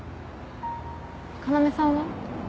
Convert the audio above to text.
要さんは？